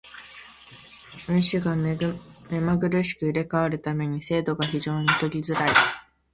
運手が目まぐるしく入れ替わる為に精度が非常に取りづらい。